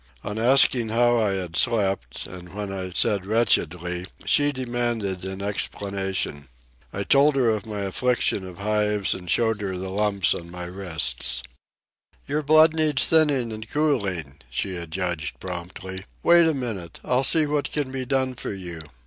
On asking how I had slept, and when I said wretchedly, she demanded an explanation. I told her of my affliction of hives and showed her the lumps on my wrists. "Your blood needs thinning and cooling," she adjudged promptly. "Wait a minute. I'll see what can be done for you."